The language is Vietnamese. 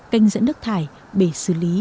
canh dẫn nước thải bể xử lý